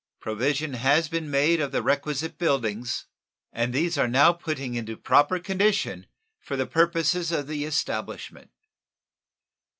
Provision has been made of the requisite buildings, and these are now putting into proper condition for the purposes of the establishment.